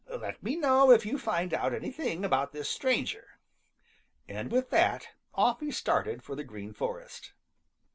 Let me know if you find out anything about this stranger." And with that off he started for the Green Forest.